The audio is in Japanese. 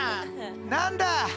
何だ。